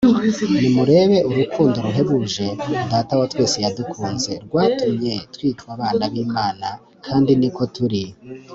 Nimurebe urukundo ruhebuje Data wa twese yadukunze, rwatumye twitwa abana b’Imana kandi ni ko turi.